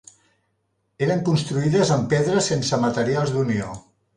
Eren construïdes amb pedres sense materials d'unió.